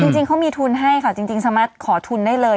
จริงเขามีทุนให้ค่ะจริงสามารถขอทุนได้เลย